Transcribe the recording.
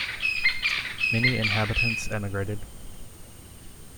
Many inhabitants emigrated.